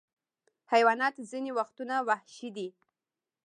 حیوانات ځینې وختونه وحشي دي.